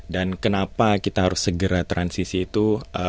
dan kenapa kita harus segera transisi itu